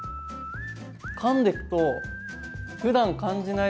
かんでくとふだん感じない